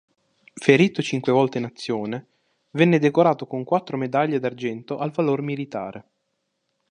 Ferito cinque volte in azione, venne decorato con quattro Medaglie d'argento al valor militare.